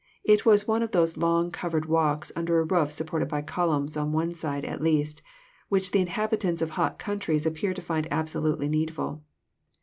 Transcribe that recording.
It was one of those long covered walks under a roof supported by columns, on one side at least, which the inhabitants of hot countries appear to find abso lutely needflil.